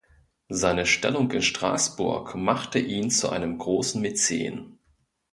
Seine Stellung in Straßburg machte ihn zu einem großen Mäzen.